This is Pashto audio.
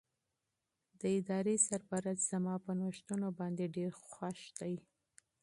د ادارې سرپرست زما په نوښتونو باندې ډېر خوښ دی.